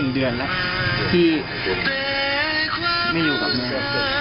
๑เดือนละที่ไม่อยู่กับหนู